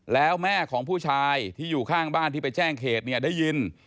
แล้วแม่ของผู้ชายที่อยู่ข้างบ้านที่ไปแจ้งเขตเนี่ยได้ยิน